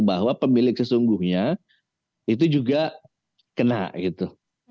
jadi itu sungguhnya itu juga kena gitu